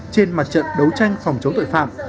trên mặt trận đấu tranh phòng chống tội phạm